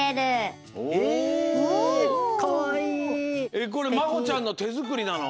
えっこれまほちゃんのてづくりなの？